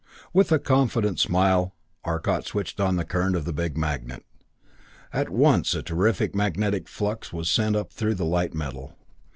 With a confident smile Arcot switched on the current of the big magnet. At once a terrific magnetic flux was set up through the light metal.